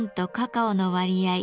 カカオの割合